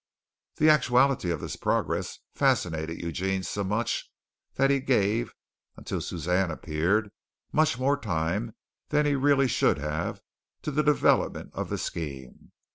The actuality of this progress fascinated Eugene so much that he gave, until Suzanne appeared, much more time than he really should have to the development of the scheme.